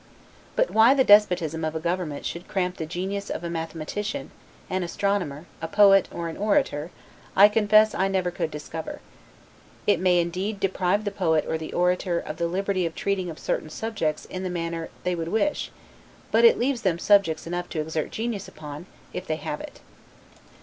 But why the despotism of a government should cramp the genius of a mathematician, an astronomer, a poet, or an orator, I confess I never could discover. It may indeed deprive the poet or the orator of the liberty of treating of certain subjects in the manner they would wish, but it leaves them subjects enough to exert genius upon, if they have it.